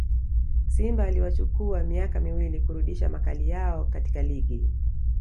simba iliwachukua miaka miwili kurudisha makali yao katika ligi